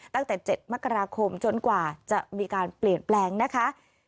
ตั้งแต่๗มกราคมจนกว่าจะมีการเปลี่ยนแปลงนะคะ